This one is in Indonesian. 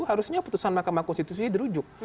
harusnya putusan mahkamah konstitusi dirujuk